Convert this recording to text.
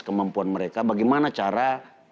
kemampuan mereka bagaimana cara